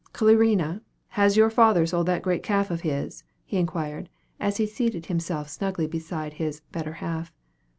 "Clarina, has your father sold that great calf of his?" he inquired, as he seated himself snugly beside his "better half."